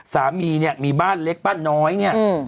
สามีเนี่ยมีบ้านเล็กบ้านน้อยเนี่ย